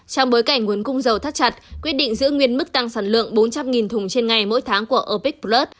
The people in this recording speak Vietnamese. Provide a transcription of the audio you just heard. trong bối cảnh nguồn cung dầu thắt chặt quyết định giữ nguyên mức tăng sản lượng bốn trăm linh thùng trên ngày mỗi tháng của opec plus